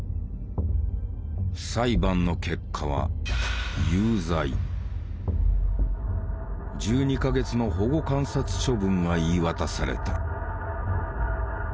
裁判の結果は１２か月の保護観察処分が言い渡された。